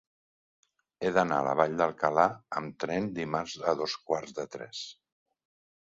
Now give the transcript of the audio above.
He d'anar a la Vall d'Alcalà amb tren dimarts a dos quarts de tres.